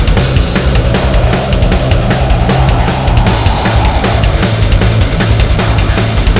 tidak ada apa bahan